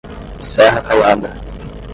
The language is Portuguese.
Serra Caiada